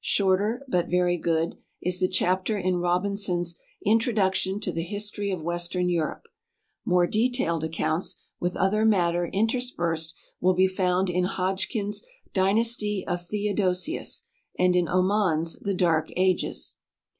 Shorter, but very good, is the chapter in Robinson's "Introduction to the History of Western Europe." More detailed accounts, with other matter interspersed, will be found in Hodgkin's "Dynasty of Theodosius," and in Oman's "The Dark Ages."